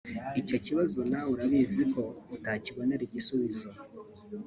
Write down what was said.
Icyo kibazo nawe urabizi ko utakibonera igisubizo